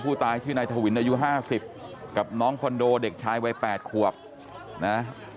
ผู้ตายชื่อนายทวินอายุ๕๐กับน้องคอนโดเด็กชายวัย๘ขวบนะ